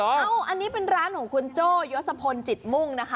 อันนี้เป็นร้านของคุณโจ้ยศพลจิตมุ่งนะคะ